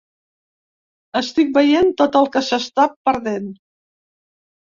Estic veient tot el que s’està perdent.